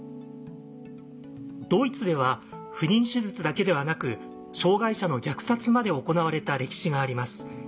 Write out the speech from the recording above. ドイツでは不妊手術だけではなく障害者の虐殺まで行われた歴史があります。